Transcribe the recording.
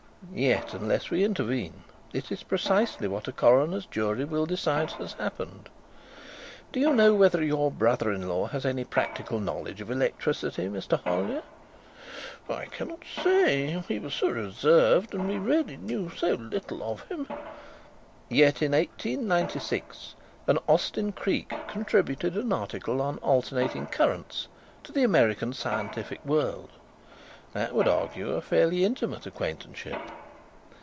"Yet unless we intervene it is precisely what a coroner's jury will decide has happened. Do you know whether your brother in law has any practical knowledge of electricity, Mr. Hollyer?" "I cannot say. He was so reserved, and we really knew so little of him " "Yet in 1896 an Austin Creake contributed an article on 'Alternating Currents' to the American Scientific World. That would argue a fairly intimate acquaintanceship."